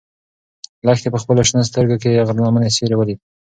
لښتې په خپلو شنه سترګو کې د غره د لمنې سیوری ولید.